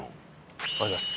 ありがとうございます。